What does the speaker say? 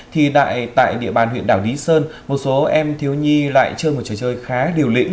thì tại địa bàn huyện đảo lý sơn một số em thiếu nhi lại chơi một trò chơi khá liều lĩnh